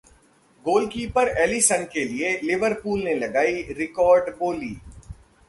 goalkeeper Alisson के लिए Liverpool ने लगाई रिकॉर्ड बोली